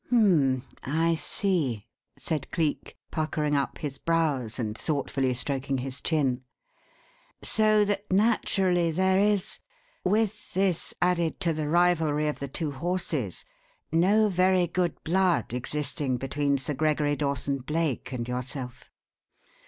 "H'm, I see!" said Cleek, puckering up his brows and thoughtfully stroking his chin. "So that, naturally, there is with this added to the rivalry of the two horses no very good blood existing between Sir Gregory Dawson Blake and yourself?"